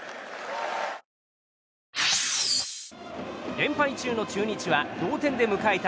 連敗中の中日は同点で迎えた